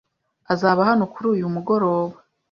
Azaba hano kuri uyu mugoroba.